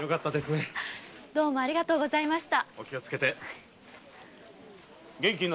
はい昨日はありがとうございました。